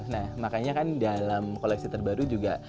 nah makanya kan dalam koleksi terbaru juga